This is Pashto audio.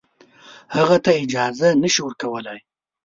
هغه ته اجازه نه شي ورکولای.